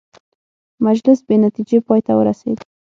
مجلس بې نتیجې پای ته ورسېد.